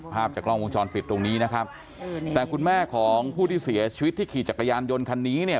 ภาพจากกล้องวงจรปิดตรงนี้นะครับแต่คุณแม่ของผู้ที่เสียชีวิตที่ขี่จักรยานยนต์คันนี้เนี่ย